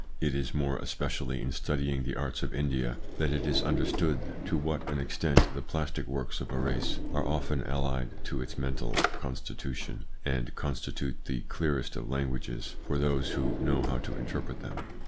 It is more especially in studying the arts of India that it is understood to what an extent the plastic works of a race are often allied to its mental constitution, and constitute the clearest of languages for those who know how to interpret them.